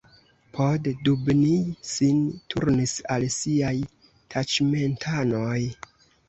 Poddubnij sin turnis al siaj taĉmentanoj.